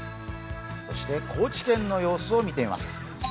そして高知県の様子を見てみます。